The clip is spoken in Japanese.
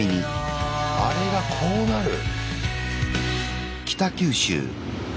あれがこうなる。